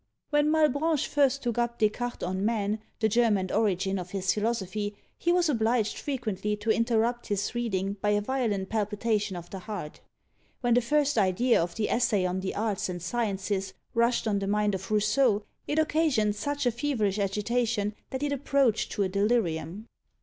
When Malebranche first took up Descartes on Man, the germ and origin of his philosophy, he was obliged frequently to interrupt his reading by a violent palpitation of the heart. When the first idea of the Essay on the Arts and Sciences rushed on the mind of Rousseau, it occasioned such a feverish agitation that it approached to a delirium.